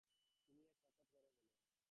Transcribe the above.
তিনি এক সাক্ষাতকারে বলেন